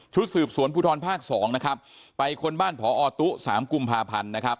สืบสวนภูทรภาค๒นะครับไปคนบ้านพอตุ๊สามกุมภาพันธ์นะครับ